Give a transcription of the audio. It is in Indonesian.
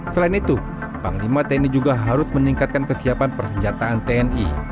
selain itu panglima tni juga harus meningkatkan kesiapan persenjataan tni